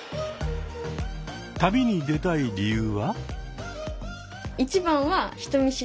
旅に出たい理由は？